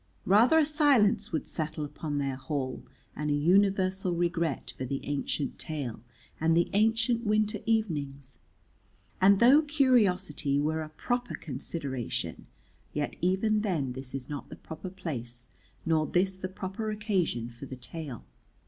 Rather a silence would settle upon their hall and a universal regret for the ancient tale and the ancient winter evenings. And though curiosity were a proper consideration yet even then this is not the proper place nor this the proper occasion for the Tale.